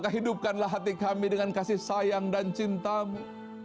hidupkanlah hati kami dengan kasih sayang dan cintamu